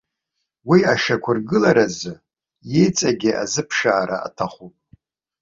Уи ашьақәыргыларазы иҵегьы азыԥшаара аҭахуп.